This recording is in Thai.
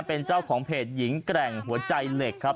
เป็นเจ้าของเพจหญิงแกร่งหัวใจเหล็กครับ